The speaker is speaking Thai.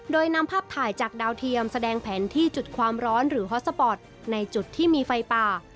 โดยนำภาพถ่ายจากดาวเทียมแสดงแผนที่จุดความร้อนหรือฮอตสปอร์ตในจุดที่มีไฟป่า